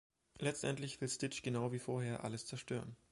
Letztendlich will Stitch genau wie vorher alles zerstören.